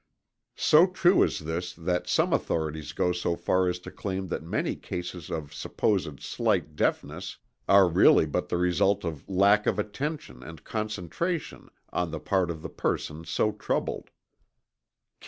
So true is this that some authorities go so far as to claim that many cases of supposed slight deafness are really but the result of lack of attention and concentration on the part of the person so troubled.